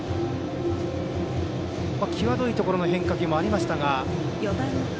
きわどいところの変化球もありましたが。